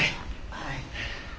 はい。